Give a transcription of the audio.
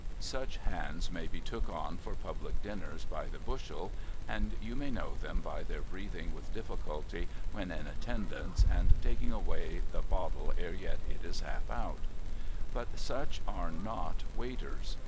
Such hands may be took on for Public Dinners by the bushel (and you may know them by their breathing with difficulty when in attendance, and taking away the bottle ere yet it is half out) ; but such are nof Waiters.